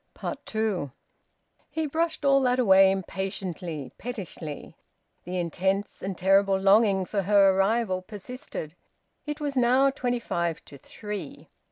TWO. He brushed all that away impatiently, pettishly. The intense and terrible longing for her arrival persisted. It was now twenty five to three.